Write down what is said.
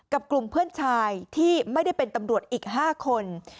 กับกลุ่มเพื่อนชายที่ไม่ได้เป็นตำรวจอีก๕คน